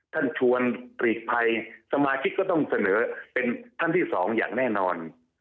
ท่านชวนหลีกภัยสมาชิกก็ต้องเสนอเป็นท่านที่๒อย่างแน่นอน